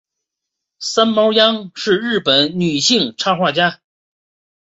三毛央是日本女性插画家。